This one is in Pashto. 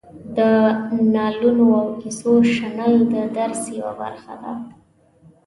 د نالونو او کیسو شنل د درس یوه برخه ده.